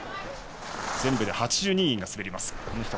全部で８２人が滑ります。